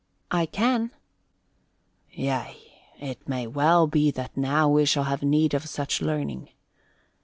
"I can." "Yea, it may well be that now we shall have need of such learning.